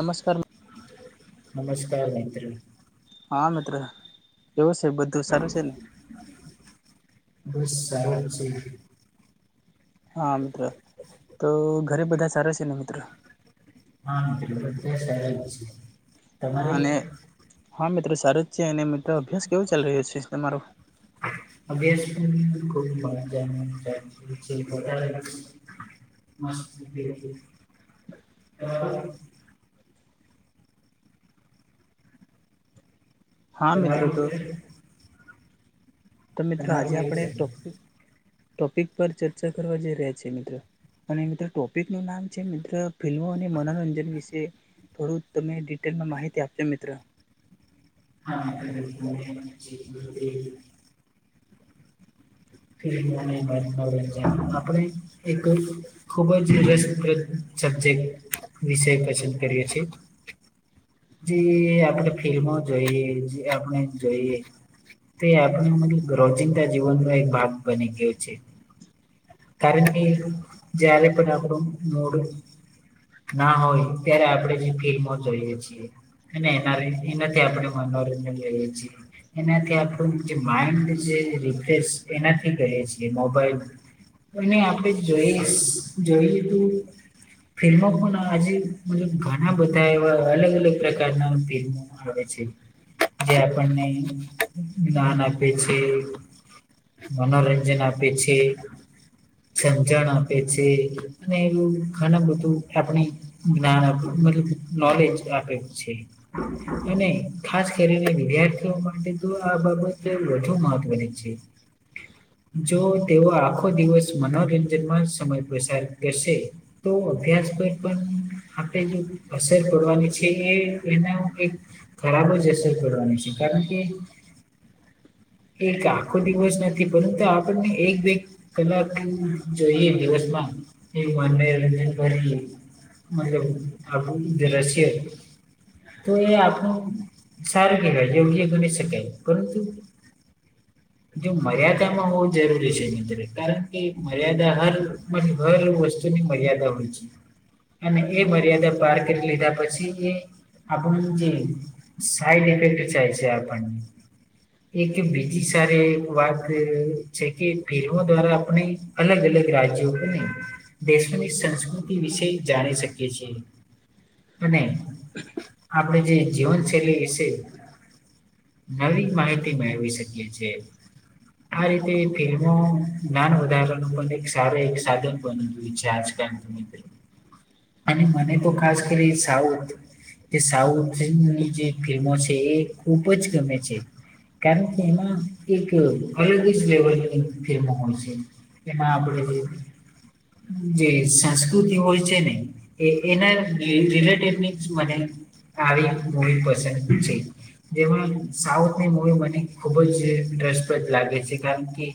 નમસ્કાર નમસ્કાર મિત્ર હા મિત્ર કેવું છે બધું સરસ છે ને બસ સારો જ છે હા મિત્ર તો ઘરે બધા સારા છે ને મિત્ર હા મિત્ર બધા સારા છે હા તમારે અને હા મિત્ર સારો જ છે અને મિત્ર અભ્યાસ કેવો ચાલી રહ્યો છે તમારો [unintelligible] મસ્ત [unintelligible] હા મિત્રો તમારુ તો મારું [unintelligible] તો મિત્ર તમારું આજે કેવું આપણે છે ટોપિક ટોપિક પર ચર્ચા કરવા જઈ રહ્યા છી મિત્ર. અને મિત્ર ટોપિકનું નામ છે મિત્ર ફિલ્મો અને મનોરંજન વિશે. થોડું તમે ડિટેલમાં માહિતી આપજો મિત્ર. હા [inaudible] ફિલ્મો અને મનોરંજન આપણે એક ખુબ જ રસપ્રદ સબ્જેક્ટ, વિષય પસંદ કરીએ છી. જે આપણે ફિલ્મો જોઈએ, જે આપણે જોઈએ. તે આપણે મતલબ રોજિંદા જીવનનો એક ભાગ બની ગયો છે. કારણ કે જ્યારે પણ આપણું [inaudible] ના હોય ત્યારે આપણેે જે ફિલ્મો જોઈએ છીએ. અને એના એનાથી આપણે મનોરંજન લઈએ છીએ. એનાથી આપણું જે માઇન્ડ જે રિફ્રેશ એનાથી કરીએ છીએ મોબાઈલ. અને આપણેે જોઈસ જોઈએ તું ફિલ્મો પણ આજે મતલબ ઘણા બધા એવા અલગ અલગ પ્રકારના ફિલ્મો હોય છે. જે આપણને જ્ઞાન આપે છે. મનોરંજન આપે છે. સમજણ આપે છે. અને એવું ઘણું બધું આપણે જ્ઞાન આપણું મતલબ નોલેજ આપે છે. એને ખાસ કરીને વિદ્યાર્થીઓ માટે તો આ બાબત વધુ મહત્વની છે. જો તેઓ આખો દિવસ મનોરંજનમાં સમય પસાર કરશે તો અભ્યાસ પર પણ આપણે જે અસર પડવાની છે એ એના એક ખરાબ જ અસર પડવાની છે. કારણ કે એક આખો દિવસ નથી પરંતુ આપણને એક બે કલાક જોઈએ દિવસમાં એ મનેરંજન કરીએ. મતલબ [inaudible] તો એ આપણું સારું કેહેવાય. યોગ્ય ગણી શકાય. પરંતુ જો મર્યાદામાં હોવું જરૂરી છે મિત્ર. કારણ કે મર્યાદા હર મારી હર વસ્તુની મર્યાદા હોય છે. અને એ મર્યાદા પાર કરી લીધા પછી એ આપણું જે સાઇડ ઇફેક્ટ જાય છે આપણની એક બીજીસ અત્યારે એક વાત એ છે કે ફિલ્મો દ્વારા આપણે અલગ અલગ રાજ્યો બને. દેશોની સંસ્કૃતિ વિશે જાણી શકીએ છીએ. અને આપણે જે જીવનશૈલી વિશે નવી માહિતી મેળવી શકીએ છીએ. આ રીતે ફિલ્મો જ્ઞાન વધારવાનું પણ એક સારું એક સાધન બનતું છે આજકાલ દુન અંદર અને મને તો ખાસ કરી સાઉથ તે સાઉથની જે ફિલ્મો છે એ ખૂબ જ ગમે છે. કેમ કે એમાં એક અલગ જ લેવલની ફિલ્મ હોય છે એમાં આપણે જે જી જે સંસ્કૃતિ હોય છે ને એ એના રિલે રિલેટેડની મને આવી મુવી પસંદ બી છે. જેમાં સાઉથની મૂવી મને ખુબ જ ઇન્ટરેસ્ટ પણ લાગે છે કારણ કે.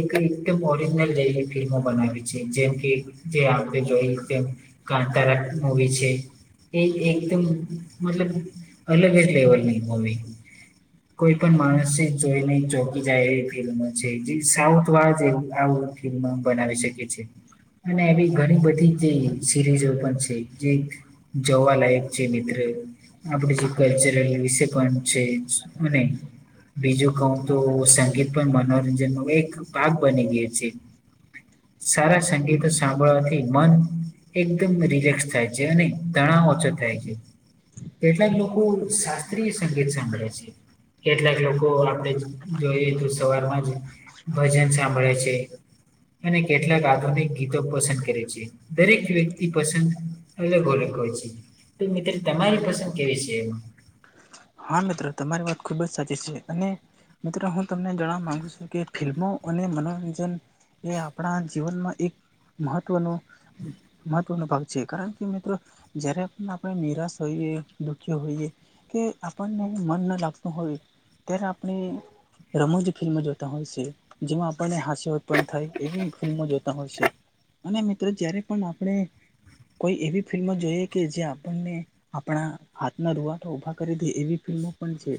એક એક્દમ ઓરજનલ લઈને ફિલ્મો બનાવી છે જેમ કે જે આપણે જોઈ તેમ. કાંતારા મુવી છે. એ એકદમ મતલબ અલગ જ લેવલની મૂવી. કોઈ પણ માણસ એ જોઈ નહીં. ચોકી જાય એવી ફિલ્મો છે. જે સાઉથવાળા જે આવું ફિલ્મ બનાવી શકે છે. અને એવી ઘણી બધી જે સિરીઝો પણ છે જે જવાલાયક છે મિત્ર. આપણી જે કલ્ચરલ વિશે પણ છે અને બીજું કઉં તો સંગીત પણ મનોરંજનનો એક ભાગ બની ગયો છે. સારા સંગીત. સાંભળવાથી મન એકદમ રિલેક્સ થાય છે અને તણાવ ઓછો થાય છે. કેટલાક લોકો શાસ્ત્રીય સંગીત સાંભળે છે. કેટલાક લોકો આપણે જોઈએ તો સવારમાં જ ભજન સાંભળે છે. અને કેટલાક આધુનિક ગીતો પસંદ કરે છે. દરેક વ્યક્તિ પસંદ અલગ અલગ હોય છે. તો મિત્ર તમારી પસંદ કેવી છે એ. હા મિત્ર તમારી વાત ખુબ જ સાચી છે અને. મિત્રો હું તમને જણાવા માંગુ છું કે ફિલ્મો અને મનોરંજન. એ આપણા જીવનમાં એક મહત્વનું. મહત્વનો ભાગ છે કારણ કે મિત્રો. જયારે પણ આપણે નિરાશ હોઈએ દુઃખી હોઈએ કે. આપણને મન ન લાગતું હોય ત્યારે આપણે. રમોજ ફિલ્મો જોતા હોય છે જેમાં આપણને હાસ્ય. ઉત્પન્ન થાય એવી ભૂલમાં જોતા હોય છે અને મિત્રો જય્યારે પણ આપણે. કોઈ એવી ફિલ્મ જોઈએ કે જે આપણને આપણા હાથના રૂંવાટા ઉભા કરી. એવી ફિલ્મો પણ છે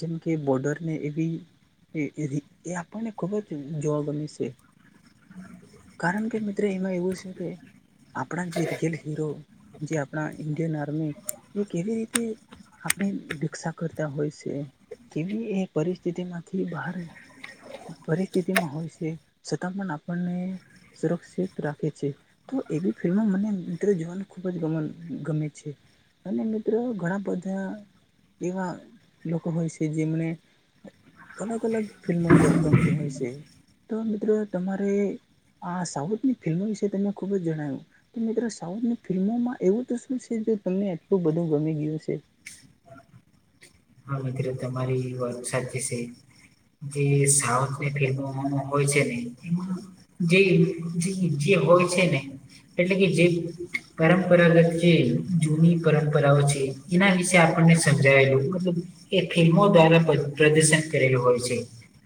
જેમ કે બોર્ડર ને એવી. એ એ આપણને ખુબ જ જોવા ગમે છે. કારણ કે મિત્રો એમાં એવું છે કે. આપણા જે રિયલ હીરો જે આપણા ઇન્ડિયન આર્મી એ કેવી રીતે. આપણે ભિક્ષા કરતા હોય છે કેવી એ પરિસ્થિતિમાંથી બહાર. પરિસ્થિતિમાં હોય છે છતાં પણ આપણને સુરક્ષિત રાખે છે. તો એવી ફિલ્મો મને મિત્રો જીવન ખૂબ જ ગ ગમે છે. અને મિત્રો ઘણા બધા. એવા લોકો હોય છે જે મને. અલગ અલગ ફિલ્મો ગમતી હોય છે તો મિત્રો તમારે. આ સાઉથની ફિલ્મો વિશે તમને ખૂબ જ જણાવ્યું. તો મિત્રો સાઉથની ફિલ્મોમાં એવું તો શું છે જે તમને આટલું બધું ગમી ગયું છે. હા મિત્ર તમારી વાત સાચી છે. જે સાઉથની ફિલ્મો હોય છે ને. જે જે હોય છે ને. એટલે કે જે પરંપરાગત જે જૂની પરંપરાઓ છે. એના વિશે આપણને સમજ્યા. એ ફિલ્મો દ્વારા પ્રદર્શન કરેલું હોય છે.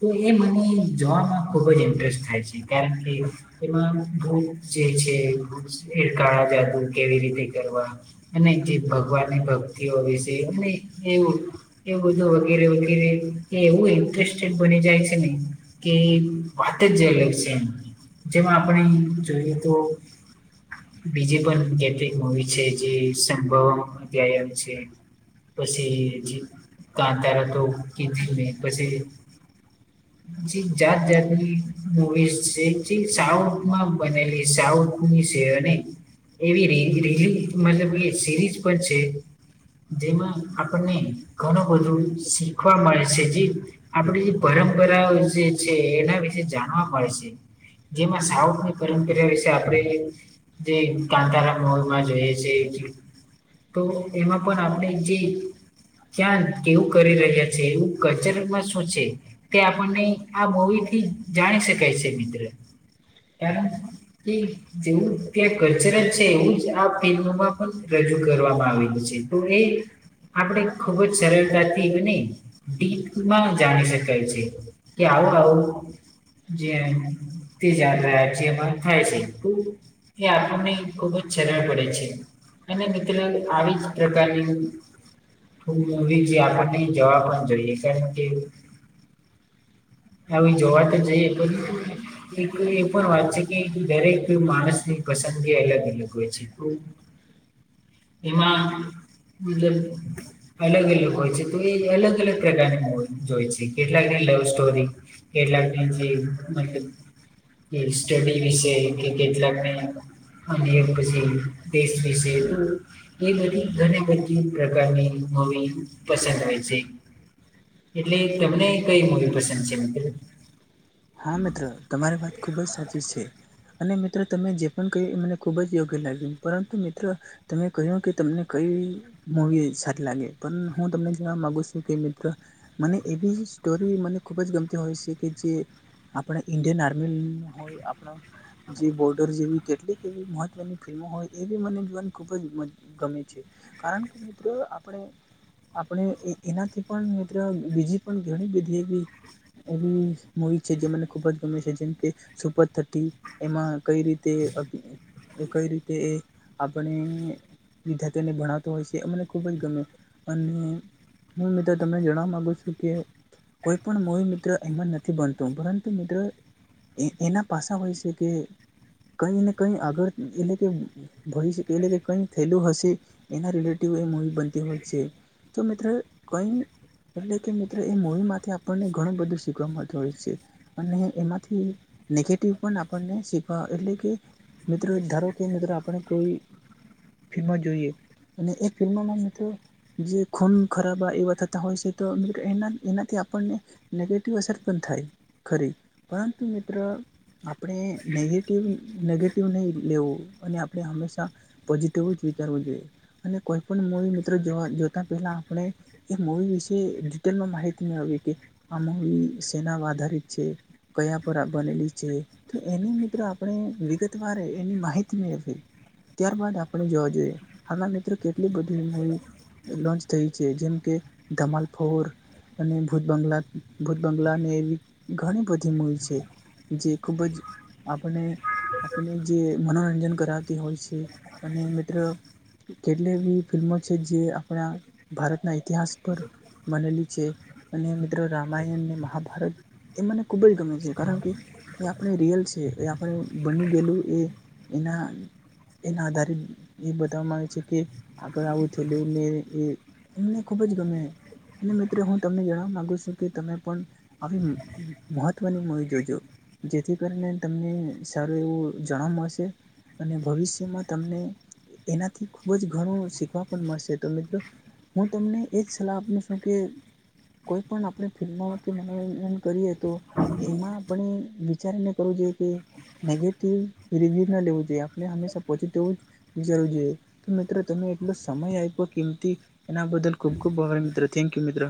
તો એ મને જોવામાં ખુબ જ ઇન્ટરેસ્ટ થાય છે કારણ કે. એમાં થોડું જે છે એ કાળા જાદુ કેવી રીતે કરવા. અને જે ભગવાનની ભક્તિઓ વિશે અને એવું. એ બધું વગેરે વગેરે એ એવું ઇન્ટરેસ્ટેડ બની જાય છે ને. કે વાત જ જે અલગ છે જેમાં આપણે જોઈએ તો. બીજી પણ કેટલીક મુવી છે જે સંભવ અ્યાય આવે છે. પછી હજી કાંતારા તો કીધી મેં પછી. [inaudible] જે જાત જાતની મુવીઝ છે જે સાઉથમાં બનેલી સાઉથ. અને એવી રી રીલ મતલબ કે સિરીઝ પણ છે. જેમાં આપણને ઘણું બધું શીખવા મળે છે જે. આપણી પરંપરાઓ જે છે એના વિશે જાણવા મળે છે. જેમાં સાઉથની પરંપરા વિશે આપણે. જે કાંતારા મોલમાં જોઈએ છે. તો એમાં પણ આપણે જે ક્યાં કેવું કરી રહ્યા છે કચનમાં શું છે તે આપણને આ મુવી થી જાણી શકાય છે મિત્ર કારણ હમ્મ. જેવુ [unintelligible] છે એવું જ આ ફિલ્મમાં પણ રજૂ કરવામાં આવેલું છે. તો એ આપણે ખૂબ જ સરળતાથી અને [unintelligible] જાણી શકાય છે કે આવું આવું જે તે [unintelligible] થાય છે એ આપણને ખુબ જ સરળ પડે છે અને મિત્રો આવી જ પ્રકારની મૂવી જે આપણને જવા પણ જોઈએ કારણ કે આવી જોવા તો જઈએ એક એ પણ વાત છે કે દરેક માણસ ની પસંદગી અલગ અલગ હોય છે એમાં મતલબ અલગ અલગ હોય છે તો એ અલગ અલગ પ્રકારની મૂવી જોય છે કેટલાકને લવ સ્ટોરી કેટલાક ને જે મતલબ કે સ્ટડી વિશે કે કેટલાકને અને પછી દેશ વિશે એ બધી ઘણી બધી પ્રકારની મૂવી પસંદ હોય છે. એટલે તમને કઈ મુવી પસંદ છે હા મિત્ર તમારી વાત ખુબ જ સાચી છે. અને મિત્રો તમે જે પણ કહ્યું એ મને ખૂબ જ યોગ્ય લાગ્યું પરંતુ, મિત્ર તમે કહ્યું કે તમને કઈ મુવી સારી લાગે પણ હું તમને કેવા માંગુ છે કે મિત્ર મને એવી સ્ટોરી મને ખૂબ જ ગમ તું હોય છે કે જે આપણે ઈન્ડિયન આર્મી હોય આપડુ જે બોર્ડર જેવી કેટલીક એવી મહત્વની ફિલ્મો હોય એ બી મને જોવાની ખુબ જ ગમે છે કારણ કે મિત્ર આપણે આપણે એનાથી પણ મિત્ર બીજી પણ ઘણી બધી એવી એવી મૂવી છે જે મને ખૂબ જ ગમે છે જેમ કે સુપર થર્ટી એમાં કઈ રીતે કઈ રીતે એ આપણે વિધાર્થીઓને ભણાવતો હોય છે એ મને ખૂબ જ ગમે અન હું હ મિત્ર તને જણવા માંગુ છું કે કોઈ પણ મૂવી નું મિત્ર એમ જ નથી બનતો પરંતુ મિત્ર એના પાસા હોય છે કે કઈ ને કઈ આગળ એટલે કે [unintelligible] એટલે કે કઈ થયેલું હશે એના રિલેટિવ એ મૂવી બનતી હોય છે. તો મિત્ર કઈ એટલે કે મિત્ર એ મવી માંથી આપણને ઘણું બધું શીખવા મળતો હોય છે. અને એમાંથી નેગેટિવ પણ આપણને શીખવા એટલે કે મિત્રો ધારો કે મિત્ર આપણે કોઈ ફી માં જોઈએ અને એ ફિલ્મમાં મિત્ર જે ખૂન ખરાબા એવા થતા હોય છે, તો મિત્ર એના એનાથી આપણને નેગે અસર પણ થાય ખરી પરંતુ મિત્ર આપણે નેગેટિવ નેગેટિવ નહીં લેવો અને આપણે હંમેશા પછી તેવું જ વિચારવું જોઈએ અને કોઈ પણ મૂવી મિત્ર જોતા પહેલા આપણે એ મૂવી વિશે ડિટેલમાં માહિતી મેળવી કે આ મૂવી સેના આધારિત છે. કૈયા પર આ બનેલી છે. તો એની મિત્રો આપણે વિગત વારે એની માહિતી મેળવીએ. ત્યારબાદ આપણે જોવા જોઈએ હાલ માં મિત્રો કેટલી બધી મૂવી લોન્ચ થઈ છે, જેમ કે ધમાલ ફોર અને ભૂત બંગલા ભૂત બંગલા ને એવી ઘણી બધી મૂવી છે જે ખૂબ જ આપને આપને જે મનોરંજન કરાવતી હોય છે અને મિત્ર કેટલી એવી ફિલ્મો છે જે આપણા ભારતના ઈતિહાસ પર બનેલી છે અને મિત્રો રામ રામાાયણને મહાભારત એ મને ખુબ જ ગમે છે, કારણ કે એ આપણે રિયલ છે, એ આપણે બની ગયેલું એ એના એના આધારે એ બઘા માંને છે કે આગળ આવું થયેલું ને એ અમને ખુબ જ ગમે અને મિત્રો હું તમને જણવા માંગુ છું કે તમે પણ આવી મહત્વની મુવી જોજો જેથી કરીને તમને સારું એવું જણવા મળશે. અને ભવિષ્યમાં તમને એનાથી ખુબ જ ઘણું શીખવા પણ મળશે તો મિત્ર. હું તમને એજ સલાહ આપ્યો છું કે કોઈ પણ આપણે ફિલ્મો કે મનોરંજન કરીએ તો એમાં આપણે એ વિચારીને કરવું જોઈએ કે નેગેટિવ રિવ્યૂ ન લેવું જોઈએ. આપણે હંમેશા પોઝિટિવ જ જવું જોઈએ તો, મિત્રો તમે એટલો સમય આપ્યો કિમતી એના બદલ ખુબ ખુબ આભાર મિત્ર, થેન્કયુ મિત્ર.